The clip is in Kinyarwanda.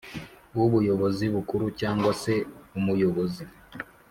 w ubuyobozi bukuru cyangwa se Umuyobozi